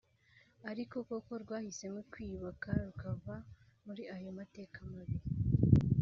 ariko ko rwahisemo kwiyubaka rukava muri ayo mateka mabi